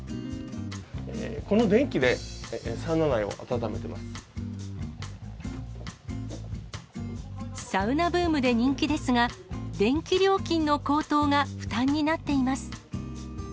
この電気で、サウナブームで人気ですが、電気料金の高騰が負担になっています。